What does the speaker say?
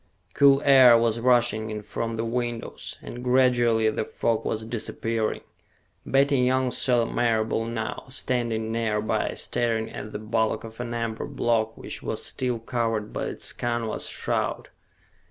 Cool air was rushing in from the windows, and gradually the fog was disappearing. Betty Young saw Marable now, standing nearby, staring at the bulk of an amber block which was still covered by its canvas shroud.